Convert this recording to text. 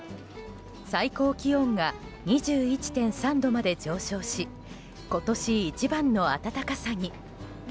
最高気温が２１．３度まで上昇し今年一番の暖かさに。